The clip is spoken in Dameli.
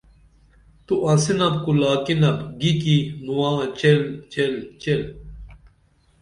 تو انسِنپ کُو لاکِنپ گی کی نواں چیل چیل چیل